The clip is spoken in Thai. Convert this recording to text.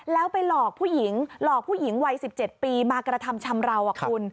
แล้วไปหลอกผู้หญิงหลอกผู้หญิงวัย๑๗ปีมากระทำชำราวคุณ